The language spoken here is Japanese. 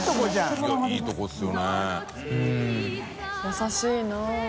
優しいな。